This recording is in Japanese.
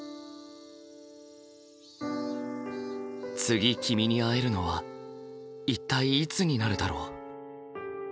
次君に会えるのは一体いつになるだろう。